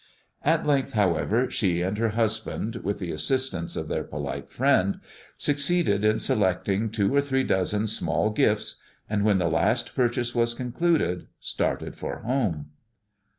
At length, however, she and her husband, with the assistance of their polite friend, succeeded in selecting two or three dozen small gifts, and, when the last purchase was concluded, started for home.